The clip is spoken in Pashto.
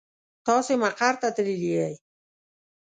تاسې مقر ته تللي يئ.